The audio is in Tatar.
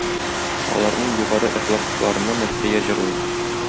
Аларның югары әхлаклыкларына мәдхия җырлый.